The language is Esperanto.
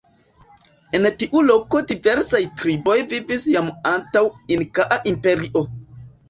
En tiu loko diversaj triboj vivis jam antaŭ Inkaa imperio.